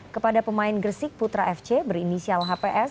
kepada pemain gresik putra fc berinisial hps